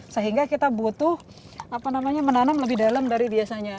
sehingga kita butuh menanam lebih dalam dari biasanya